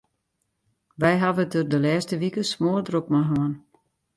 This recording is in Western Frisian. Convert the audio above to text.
Wy hawwe it der de lêste wiken smoardrok mei hân.